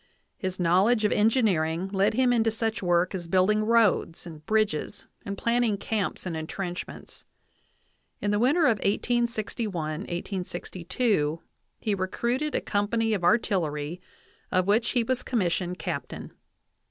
His knowledge of engineering led him into such work as building roads and bridges and planning camps and entrenchments. In the winter of 1861 1862 he recruited a company of artillery, of which he was commissioned captain.